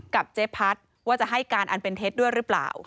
เจ๊พัดว่าจะให้การอันเป็นเท็จด้วยหรือเปล่า